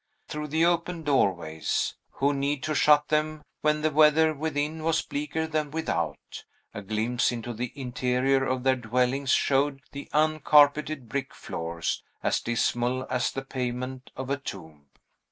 Through the open doorways w no need to shut them when the weather within was bleaker than without a glimpse into the interior of their dwellings showed the uncarpeted brick floors, as dismal as the pavement of a tomb.